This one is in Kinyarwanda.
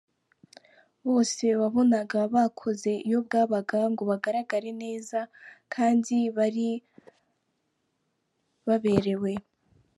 Bose wabonaga bakoze iyo bwabaga ngo bagaragare neza; kandi bari baberewe.